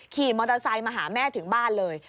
ขี่มอเตอร์ไซค์มาหาแม่ถึงบ้านเลย